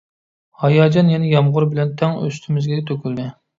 ھاياجان يەنە يامغۇر بىلەن تەڭ ئۈستىمىزگە تۆكۈلدى.